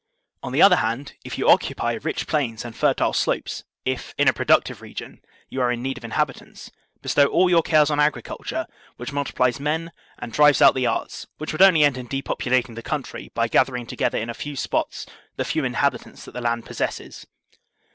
On the other hand, if you occupy rich plains and fertile slopes, if, in a productive region, you are in need of inhabitants, be stow all your cares on agriculture, which multiplies men, and drives out the arts, which would only end in depopu lating the country by gathering together in a few spots the few inhabitants that the land possesses.